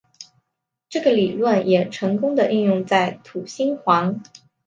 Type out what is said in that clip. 这个理论也成功的运用在土星环。